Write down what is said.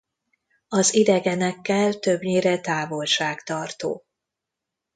Az idegenekkel többnyire távolságtartó.